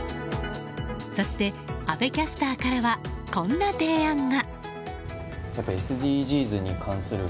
そして阿部キャスターからはこんな提案が。